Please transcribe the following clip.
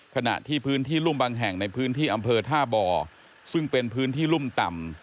ขณะที่พื้นที่รุ่มบางแห่งในพื้นที่อำเภอท่าบ่อซึ่งเป็นพื้นที่รุ่มต่ำ